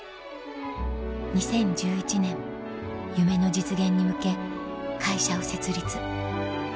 ２０１１年夢の実現に向け会社を設立